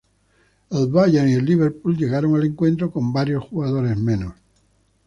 El Bayern y el Liverpool llegaron al encuentro con varios jugadores menos.